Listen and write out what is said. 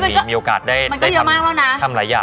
พี่อ๋อมสวัสดีค่ะ